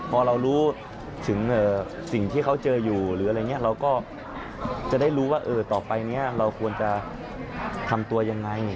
พอเรารู้ถึงสิ่งที่เขาเจออยู่เราก็จะได้รู้ว่าต่อไปเราควรจะทำตัวยังไง